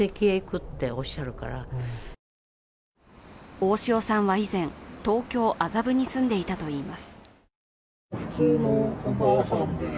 大塩さんは以前、東京・麻布に住んでいたといいます。